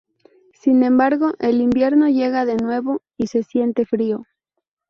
Sin embargo, el invierno llega de nuevo, y se siente frío.